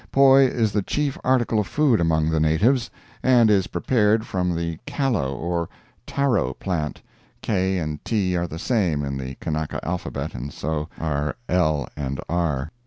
Poi is the chief article of food among the natives, and is prepared from the kalo or taro plant (k and t are the same in the Kanaka alphabet, and so are l and r).